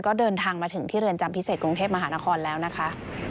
ก็เดินทางมาถึงที่เรือนจำพิเศษกรุงเทพมหานครแล้วนะคะ